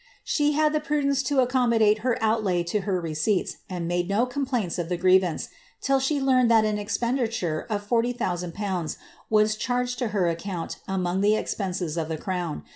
She had the pru dence to accommodate her outlay to her receipts, and made no coa plaints of the grievance, till she learned that an expenditure of 4O,000Jl was charged to her account among the expenses of the crown.